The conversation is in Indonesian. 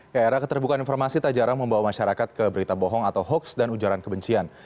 ke era keterbukaan informasi tak jarang membawa masyarakat ke berita bohong atau hoaks dan ujaran kebencian